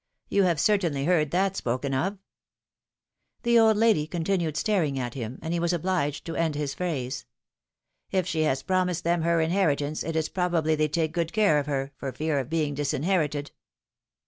You have certainly heard that spoken of?^^ The old lady continued staring at him, and he was obliged to end his phrase. If she has promised them her inheritance, it is proba ble they take good care of her, for fear of being disin herited.